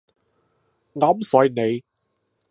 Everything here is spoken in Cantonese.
啱晒你